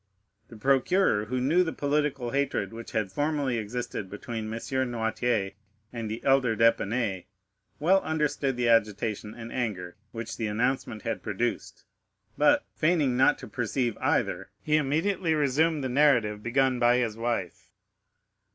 The procureur, who knew the political hatred which had formerly existed between M. Noirtier and the elder d'Épinay, well understood the agitation and anger which the announcement had produced; but, feigning not to perceive either, he immediately resumed the narrative begun by his wife.